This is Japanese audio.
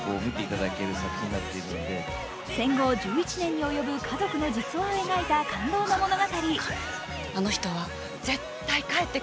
戦後１１年に及ぶ家族の実話を描いた感動の物語。